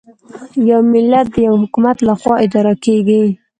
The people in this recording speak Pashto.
یو ملت د یوه حکومت له خوا اداره کېږي.